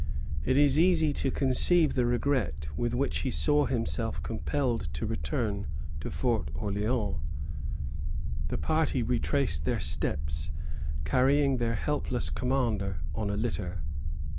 It is easy to conceive the regret with which he saw himself compelled to return to Fort Orléans. The party retraced their steps, carrying their helpless commander on a litter.